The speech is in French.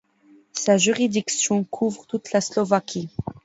Sa juridiction couvre toute la Slovaquie.